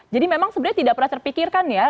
jadi memang sebenarnya tidak pernah terpikirkan ya ya